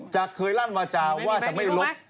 จะเคยลั่นวาจาว่าจะไม่ลบ